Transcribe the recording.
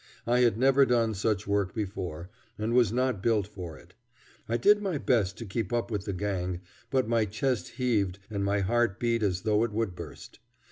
I had never done such work before, and was not built for it. I did my best to keep up with the gang, but my chest heaved and my heart beat as though it would burst.